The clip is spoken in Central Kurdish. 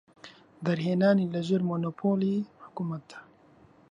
دەرهێنانیان لە ژێر مۆنۆپۆلی حکومەتدا.